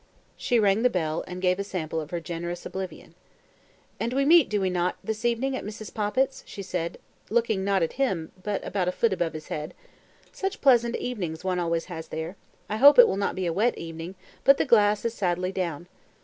She rang the bell, and gave a sample of her generous oblivion. "And we meet, do we not, this evening at Mrs. Poppit's?" she said, looking not at him, but about a foot above his head. "Such pleasant evenings one always has there, I hope it will not be a wet evening, but the glass is sadly down.